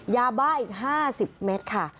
ยาบ้าอีก๕๐เมตรค่ะ